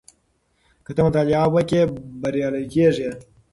که ته مطالعه وکړې بریالی کېږې.